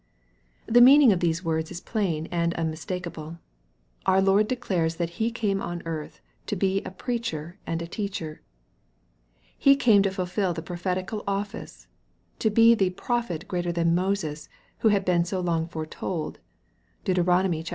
The meaning of these words is plain and umnistakeable. Our Lord declares that He came on earth to be a preacher and a teacher. He came to fulfil the prophetical office, to be the " prophet greater than Moses," who had been so long foretold. (Deut.